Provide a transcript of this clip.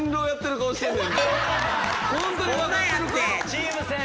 チーム戦！